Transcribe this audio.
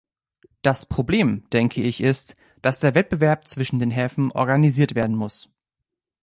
Das Problem, denke ich, ist, dass der Wettbewerb zwischen den Häfen organisiert werden muss.